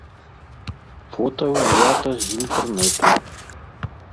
Фота ўзята з інтэрнэту.